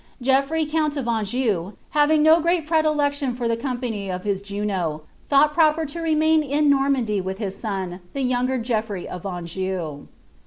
Geoffrey count of Anjou, having no great predilection for the com pany of his Juno, thought proper to remain in Normandy with his son, the younger Geoffrey of Anjou.